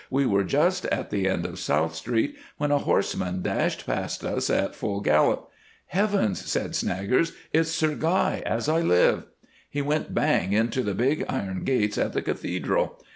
We were just at the end of South Street when a horseman dashed past us at full gallop. 'Heavens,' said Snaggers, 'it's Sir Guy as I live.' He went bang into the big iron gates at the Cathedral.